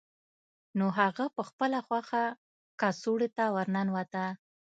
نو هغه په خپله خوښه کڅوړې ته ورننوته